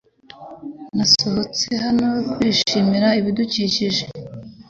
Nasohotse hano kwishimira ibidukikije .